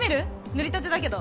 塗りたてだけど。